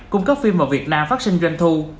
cung cấp phim vào việt nam phát sinh doanh thu